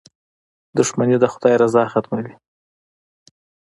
• دښمني د خدای رضا ختموي.